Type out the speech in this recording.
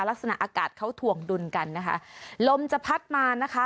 ลักษณะอากาศเขาถ่วงดุลกันนะคะลมจะพัดมานะคะ